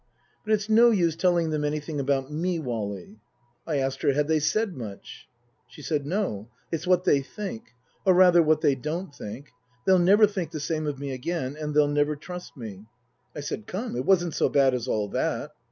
" But it's no use telling them anything about me, Wally." I asked her, Had they said much ? She said, " No. It's what they think. Or rather, what they don't think. They'll never think the same of me again. And they'll never trust me." I said, Come, it wasn't so bad as all that.